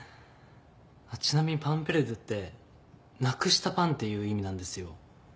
あっちなみにパンペルデュってなくしたパンっていう意味なんですよ。